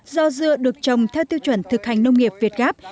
do dưa được trồng theo tiêu chuẩn thực hành nông nghiệp việt gáp